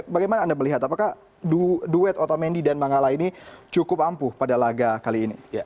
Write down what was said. bagaimana anda melihat apakah duet otamendi dan mangala ini cukup ampuh pada laga kali ini